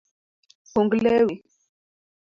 Kung lewi.